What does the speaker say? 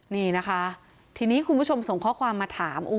นี่นะคะทีนี้คุณผู้ชมส่งข้อความมาถาม